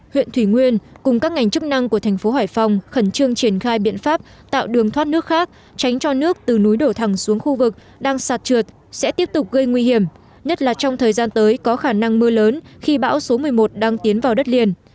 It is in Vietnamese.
huyện thủy nguyên cùng các ngành chức năng của thành phố hải phòng khẩn trương triển khai biện pháp tạo đường thoát nước khác tránh cho nước từ núi đổ thẳng xuống khu vực đang sạt trượt sẽ tiếp tục gây nguy hiểm nhất là trong thời gian tới có khả năng mưa lớn khi bão số một mươi một đang tiến vào đất liền